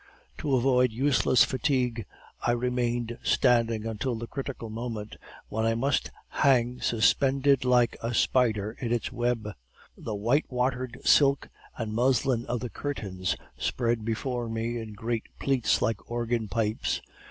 To avoid useless fatigue, I remained standing until the critical moment, when I must hang suspended like a spider in its web. The white watered silk and muslin of the curtains spread before me in great pleats like organ pipes.